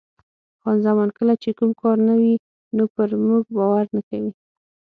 خان زمان: کله چې کوم کار نه وي نو پر موږ باور نه کوي.